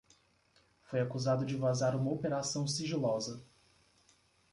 Foi acusado de vazar uma operação sigilosa.